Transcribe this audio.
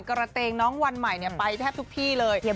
กระเตงน้องวันใหม่ไปแทบทุกที่เลย